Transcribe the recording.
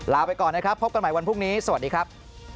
ไปก่อนนะครับพบกันใหม่วันพรุ่งนี้สวัสดีครับ